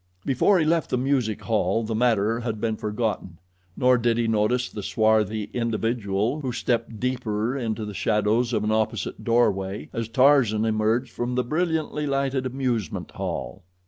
Before he left the music hall the matter had been forgotten, nor did he notice the swarthy individual who stepped deeper into the shadows of an opposite doorway as Tarzan emerged from the brilliantly lighted amusement hall.